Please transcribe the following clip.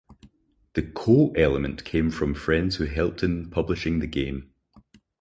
The "Co" element came from friends who helped in publishing the game.